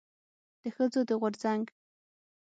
د ښځو د غورځنګ